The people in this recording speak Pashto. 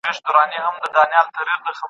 اسلامي شريعت د نجونو تبادله په کلکه منع کړه.